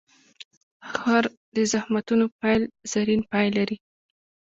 هر د زخمتونو پیل؛ زرین پای لري.